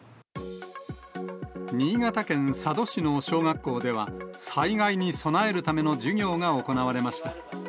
新潟県佐渡市の小学校では、災害に備えるための授業が行われました。